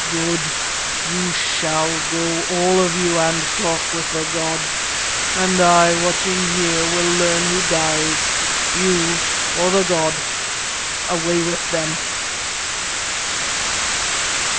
Good! You shall go, all of you, and talk with the god. And I, watching here, will learn who dies you or the god. Away with them!"